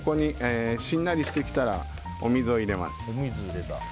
しんなりしてきたらお水を入れます。